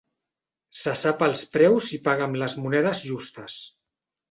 Se sap els preus i paga amb les monedes justes.